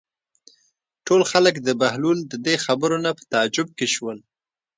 ټول خلک د بهلول د دې خبرو نه په تعجب کې شول.